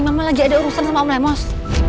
memang lagi ada urusan sama om lemos